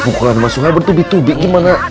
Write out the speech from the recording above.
pukulan mas suha bertubi tubi gimana